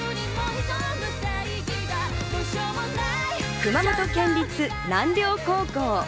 熊本県立南稜高校。